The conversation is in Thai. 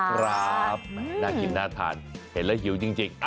ครับน่ากินน่าทานเห็นแล้วหิวจริง